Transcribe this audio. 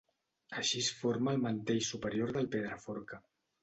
Així es forma el mantell superior del Pedraforca.